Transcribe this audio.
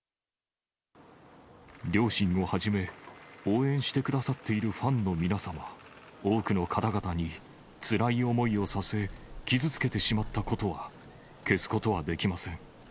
両親をはじめ、応援してくださっているファンの皆様、多くの方々につらい思いをさせ、傷つけてしまったことは、消すことはできません。